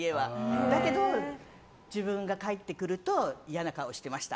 だけど、自分が帰ってくると嫌な顔をしてました。